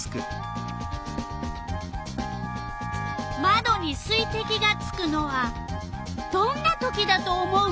まどに水てきがつくのはどんなときだと思う？